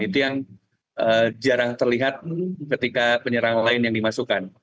itu yang jarang terlihat ketika penyerang lain yang dimasukkan